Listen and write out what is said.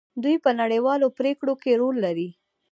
دوی په نړیوالو پریکړو کې رول لري.